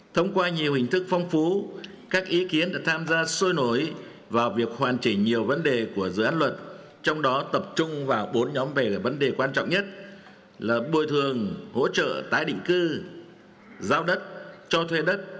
thông qua nhiều hình thức phong phú các ý kiến đã tham gia sôi nổi vào việc hoàn chỉnh nhiều vấn đề của dự án luật trong đó tập trung vào bốn nhóm về là vấn đề quan trọng nhất là bồi thường hỗ trợ tái định cư giao đất cho thuê đất